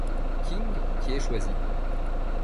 King qui est choisi.